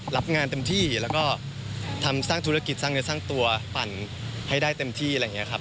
รับงานเต็มที่แล้วก็ทำสร้างธุรกิจสร้างเนื้อสร้างตัวปั่นให้ได้เต็มที่อะไรอย่างนี้ครับ